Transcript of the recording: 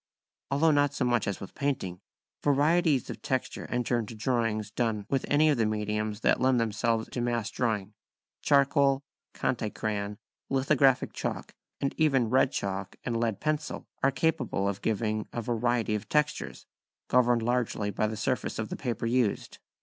Although not so much as with painting, varieties of texture enter into drawings done with any of the mediums that lend themselves to mass drawing; charcoal, conté crayon, lithographic chalk, and even red chalk and lead pencil are capable of giving a variety of textures, governed largely by the surface of the paper used.